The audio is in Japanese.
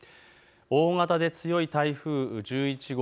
大型で強い台風１１号。